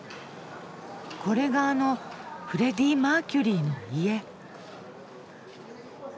これがあのフレディ・マーキュリーの家。